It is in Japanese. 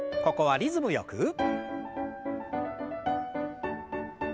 ここはリズムよく。